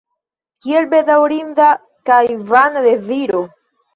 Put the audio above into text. Kiel bedaŭrinda kaj vana deziro!